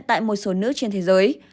tại một số nước trên thế giới